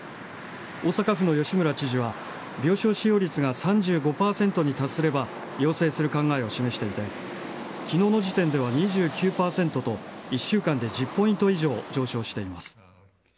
大阪府の吉村知事は、病床使用率が３５％に達すれば、要請する考えを示していて、きのうの時点では２９％と、１週間で１０ポイント以上、上昇しています。